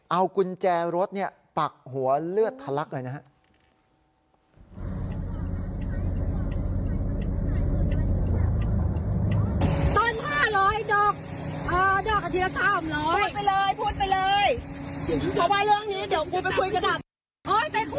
เอากุญแจรถเนี่ยปักหัวเลือดทะลักเลยนะฮะ